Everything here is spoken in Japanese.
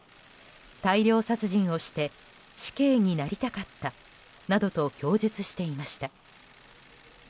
大量殺人をして死刑になりたかったなどと供述していました。